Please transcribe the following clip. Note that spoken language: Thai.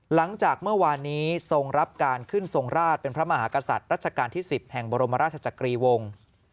หลังจากเมื่อวานนี้ทรงรับการขึ้นทรงราชเป็นพระมหากษัตริย์รัชกาลที่๑๐แห่งบรมราชจักรีวงศ์